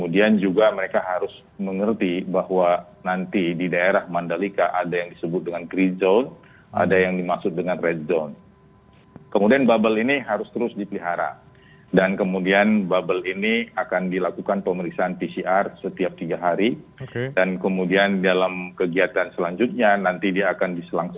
dan mereka juga harus menerapkan protokol kesehatan